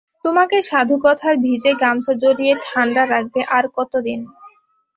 তোমাকে সাধুকথার ভিজে গামছা জড়িয়ে ঠাণ্ডা রাখবে আর কতদিন?